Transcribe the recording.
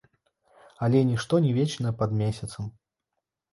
Але нішто не вечнае пад месяцам.